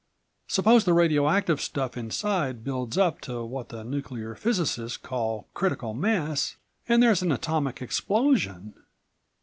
Suppose the radio active stuff inside builds up to what the nuclear physicists call critical mass and there's an atomic explosion?